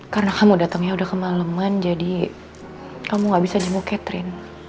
karena kamu datangnya udah kemaleman jadi kamu gak bisa jemput catherine